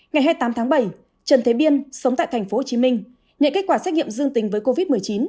ngày hai mươi tám tháng bảy trần thế biên sống tại tp hcm nhận kết quả xét nghiệm dương tính với covid một mươi chín